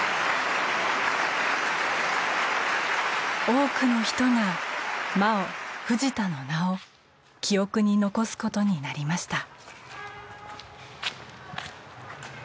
多くの人がマオ・フジタの名を記憶に残すことになりました。